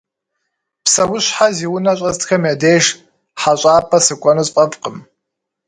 Псэущхьэ зи унэ щӏэсхэм я деж хьэщӏапӏэ сыкӏуэну сфӏэфӏкъым.